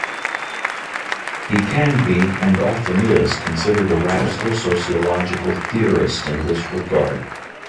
He can be, and often is, considered a radical sociological theorist in this regard.